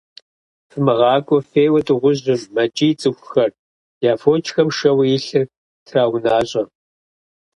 - ФымыгъакӀуэ, феуэ дыгъужьым! - мэкӀий цӀыхухэр, я фочхэм шэуэ илъыр траунащӀэ.